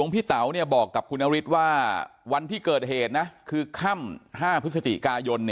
ผมจะบอกกับคุณอฤติว่าวันที่เกิดเหตุคือข้าม๕พฤศจิกายน